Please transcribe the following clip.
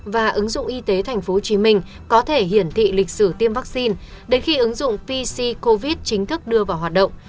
và ứng dụng y tế tp hcm có thể hiển thị lịch sử tiêm vaccine đến khi ứng dụng pc covid chính thức đưa vào hoạt động